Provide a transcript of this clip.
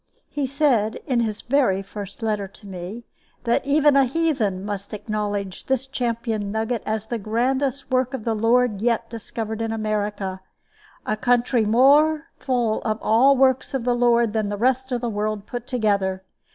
He said, in his very first letter to me, that even a heathen must acknowledge this champion nugget as the grandest work of the Lord yet discovered in America a country more full of all works of the Lord than the rest of the world put together.